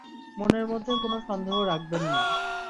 মনের মধ্যে কোনো সন্দেহ রাখবেন না।